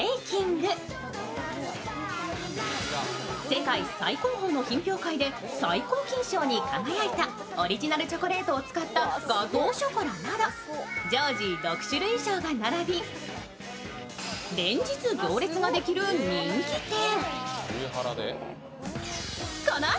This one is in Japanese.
世界最高峰の品評会で最高金賞に輝いたオリジナルチョコレートを使ったガトーショコラなど常時６種類以上が並び連日行列ができる人気店。